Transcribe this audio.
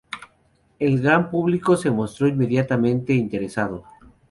El gran público se mostró inmediatamente interesado.